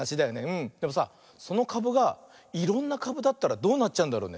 でもさそのかぶがいろんなかぶだったらどうなっちゃうんだろうね？